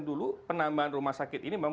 dulu penambahan rumah sakit ini